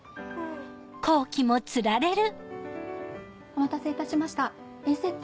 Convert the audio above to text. お待たせいたしましたＡセット